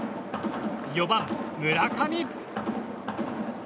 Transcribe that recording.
４番、村上。